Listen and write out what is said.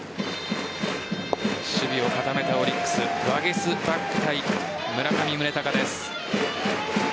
守備を固めたオリックスワゲスパック対村上宗隆です。